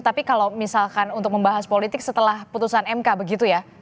tapi kalau misalkan untuk membahas politik setelah putusan mk begitu ya